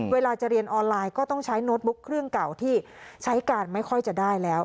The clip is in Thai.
เวลาจะเรียนออนไลน์ก็ต้องใช้โน้ตบุ๊กเครื่องเก่าที่ใช้การไม่ค่อยจะได้แล้ว